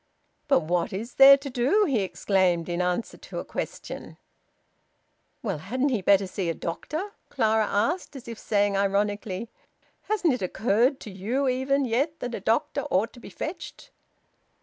"But what is there to do?" he exclaimed, in answer to a question. "Well, hadn't he better see a doctor?" Clara asked, as if saying ironically, "Hasn't it occurred to you even yet that a doctor ought to be fetched?"